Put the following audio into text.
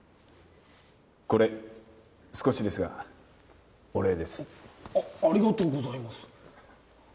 これ少しですがお礼ですありがとうございます